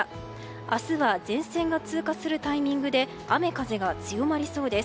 明日は前線が通過するタイミングで雨風が強まりそうです。